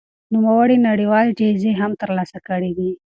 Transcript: نوموړي نړيوالې جايزې هم ترلاسه کړې دي.